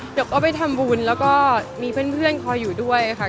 เดี๋ยวก็ไปทำบุญแล้วก็มีเพื่อนคอยอยู่ด้วยค่ะ